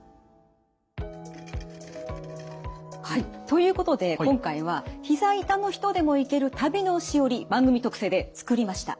ということで今回はひざ痛の人でも行ける旅のしおり番組特製で作りました。